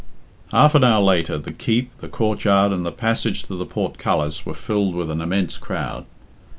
Half an hour later the Keep, the courtyard, and the passage to the portcullis were filled with an immense crowd.